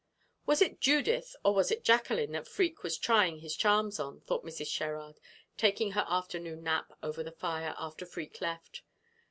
Was it Judith or was it Jacqueline that Freke was trying his charms on, thought Mrs. Sherrard, taking her afternoon nap over the fire, after Freke left.